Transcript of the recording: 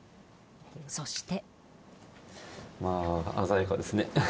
そして。